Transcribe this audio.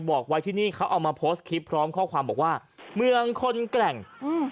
บอกไว้ที่นี่เขาเอามาโพสต์คลิปพร้อมข้อความบอกว่าเมืองคนแกร่งอืม